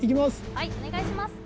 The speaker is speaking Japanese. はいお願いします